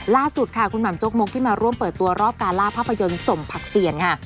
ล่าสุดค่ะคุณหม่ำจกมกที่มาร่วมเปิดตัวรอบการล่าภาพยนตร์สมผักเสี่ยงค่ะ